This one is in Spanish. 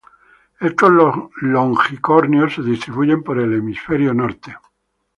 Estos longicornios se distribuyen por el hemisferio norte.